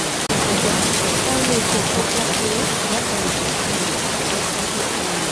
Sao người của cậu lạnh thế